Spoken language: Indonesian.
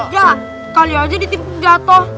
ya kalian aja ditimbuk jatoh